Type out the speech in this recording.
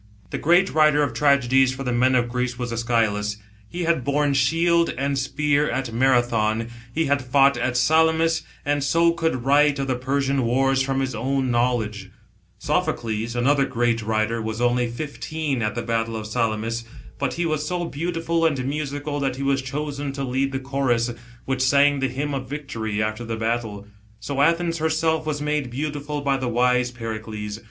The great writer of tragedies for the men of Greece was called JSschylus ; he had borne shield and spear at Marathon, he had fought at Salamis, and so could write of the Persian wars from his own knowledge. 108 BUILriNG THE PARTHENON. [B.C. 438, Sophocles, another great writer, was only fifteen at the battle of Salamis, but he was so beauti ful and musical that he was chosen to lead the chorus, which sang the hymn of victory after the battle. So Athens herself was made beautiful by the wise Pericles.